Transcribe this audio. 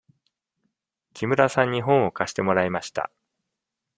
木村さんに本を貸してもらいました。